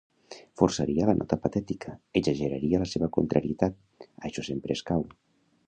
Forçaria la nota patètica, exageraria la seva contrarietat: això sempre escau.